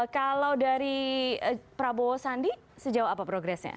kalau dari prabowo sandi sejauh apa progresnya